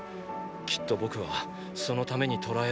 きっと僕はそのために捕らえられた。